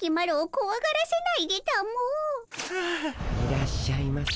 いらっしゃいませ。